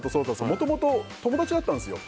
もともと友達だったんですよ。